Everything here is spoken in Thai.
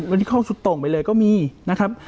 วันนี้เข้าสุดตรงไปเลยก็มีนะครับ